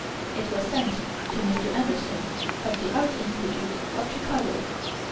It was sent to Dr. Emerson, of the Art Institute, of Chicago.